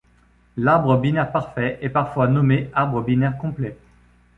L'arbre binaire parfait est parfois nommé arbre binaire complet.